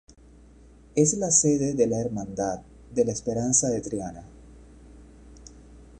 Es la sede de la Hermandad de la Esperanza de Triana.